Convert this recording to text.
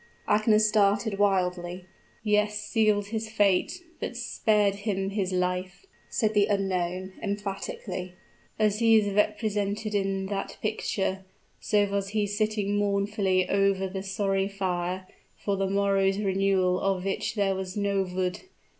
Agnes started wildly. "Yes, sealed his fate, but spared him his life!" said the unknown, emphatically. "As he is represented in that picture, so was he sitting mournfully over the sorry fire, for the morrow's renewal of which there was no wood!